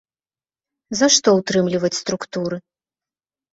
За што ўтрымліваць структуры?